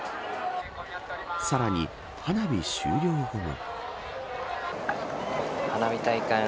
さらに、花火終了後も。